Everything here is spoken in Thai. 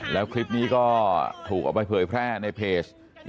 แล้วคลิปนี้ก็ถูกเอาไปเผยแพร่ในเพจ